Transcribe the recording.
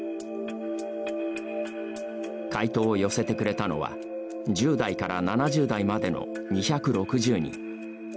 回答を寄せてくれたのは１０代から７０代までの２６０人。